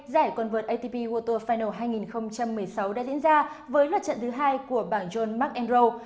giải quần vượt atp world tour final hai nghìn một mươi sáu đã diễn ra với lượt trận thứ hai của bảng john mcenroe